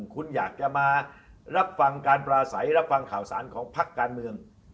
คุณอยากจะมารับฟังการปราศัยรับฟังข่าวสารของพักการเมือง